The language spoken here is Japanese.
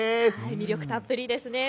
魅力たっぷりですね。